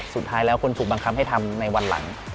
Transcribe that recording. สุดท้ายแล้วคนถูกบังคับให้ทำในวันหลัง